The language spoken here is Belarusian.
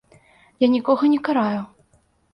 Я нікога не караю.